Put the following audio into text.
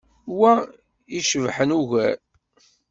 Wa i icebḥen ugar.